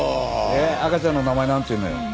で赤ちゃんの名前なんていうのよ？